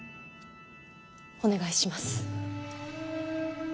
お願いします。